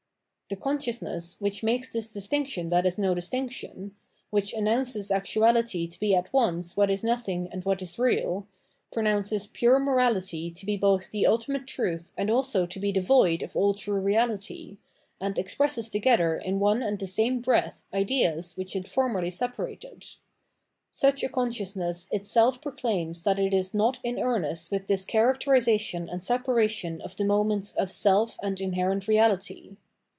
The con.sciousness, which makes this distinc tion that is no distinction, which announces actuality to be at once what is nothing and what is real, pronounces pure morality to be both the ultimate truth and also to be devoid of all true reality, and expresses together in one and the same breath ideas which it formerly separated — such a consciousness itself proclaims that it is not in earnest with this characterisation and separation of the moments of self and inherent reality.